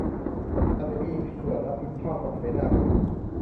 ฉันไม่มีส่วนรับผิดชอบกับเสนาบดี